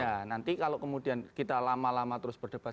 ya nanti kalau kemudian kita lama lama terus berdebat